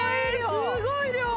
すごい量！